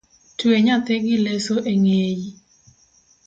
Twe nyathi gi leso eng'eyi.